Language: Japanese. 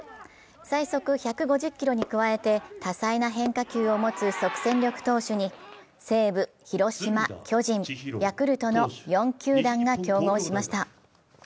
最速１５０キロに加えて多彩な変化球を持つ即戦力投手に西武、広島、巨人、ヤクルトの４球団が競合しました。